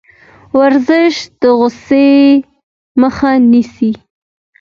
ورزش د غوسې مخه نیسي.